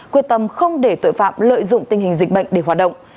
quyết tâm không để tội phạm lợi dụng tình hình dịch bệnh để hoạt động